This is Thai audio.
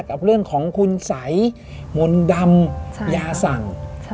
กับเรื่องของคุณสัยมนต์ดำยาสั่ง